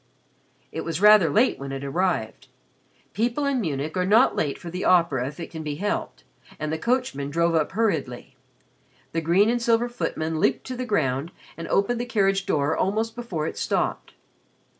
It was rather late when it arrived. People in Munich are not late for the opera if it can be helped, and the coachman drove up hurriedly. The green and silver footman leaped to the ground and opened the carriage door almost before it stopped.